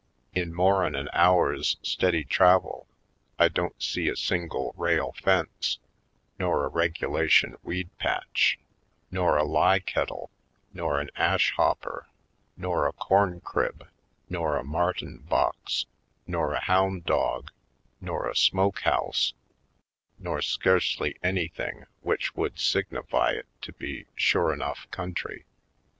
In more'n an hour's steady travel I don't see a single rail fence nor a regulation weed patch nor a lye kettle nor an ash hopper nor a corn crib nor a mar tin box nor a hound dog nor a smoke house nor scarcely anything which would signify it to be sure enough country.